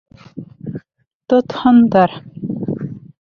Тотһондар!